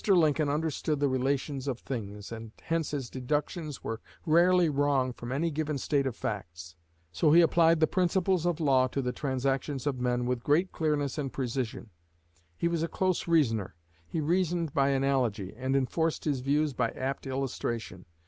Lincoln understood the relations of things, and hence his deductions were rarely wrong from any given state of facts. So he applied the principles of law to the transactions of men with great clearness and precision. He was a close reasoner. He reasoned by analogy, and enforced his views by apt illustration.